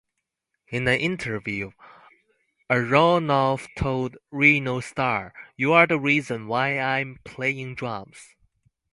In an interview, Aronoff told Ringo Starr, You're the reason why I'm playing drums.